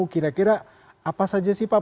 kira kira apa saja sih pak